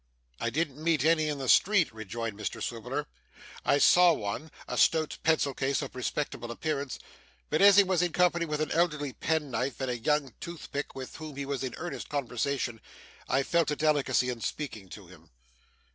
'I didn't meet many in the street,' rejoined Mr Swiveller. 'I saw one a stout pencil case of respectable appearance but as he was in company with an elderly penknife, and a young toothpick with whom he was in earnest conversation, I felt a delicacy in speaking to him.